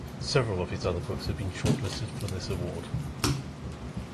Several of his other books have been shortlisted for this award.